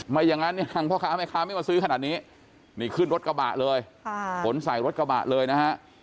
ไม่อย่างนั้นเนี่ยทางพ่อค้าแม่ค้าไม่มาซื้อขนาดนี้นี่ขึ้นรถกระบะเลยขนใส่รถกระบะเลยนะฮะ